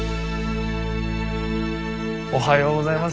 おはようございます。